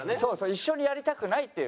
一緒にやりたくないっていう。